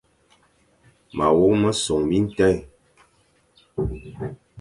Ma wok mesong bi tèn.